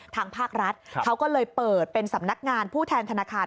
ทางภาครัฐเขาก็เลยเปิดเป็นสำนักงานผู้แทนธนาคาร